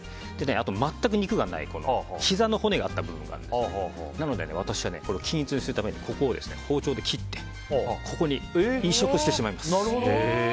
あと全く肉がないひざの骨があった部分があるんですけどなので、私は均一にするために包丁で切ってここに移植してしまいます。